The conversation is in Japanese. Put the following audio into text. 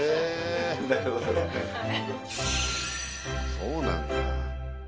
そうなんだ。